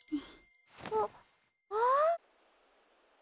あっああ！